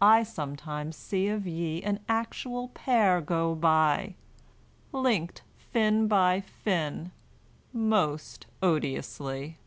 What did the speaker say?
I sometimes see of ye an actual pair Go by! linked fin by fin! most odiously.